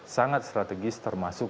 sangat strategis termasuk